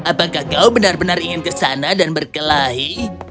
apakah kau benar benar ingin ke sana dan berkelahi